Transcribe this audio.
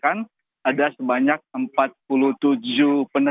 kemudian dari kebijakan penutupan ini